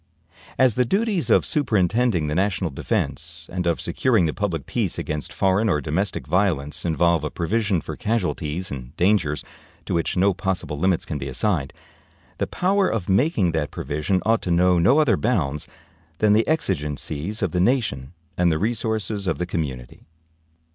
As the duties of superintending the national defense and of securing the public peace against foreign or domestic violence involve a provision for casualties and dangers to which no possible limits can be assigned, the power of making that provision ought to know no other bounds than the exigencies of the nation and the resources of the community.